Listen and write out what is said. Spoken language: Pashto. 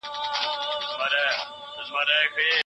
پانګه د مهارت لرونکو کسانو د کمښت له امله ښه نه کارول کېږي.